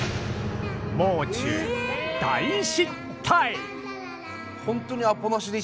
もう中大失態！